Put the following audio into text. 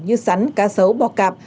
như rắn cá sấu bò cạp